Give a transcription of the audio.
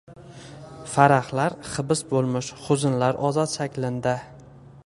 Farahlar hibs boʻlmish huznlar ozod shaklinda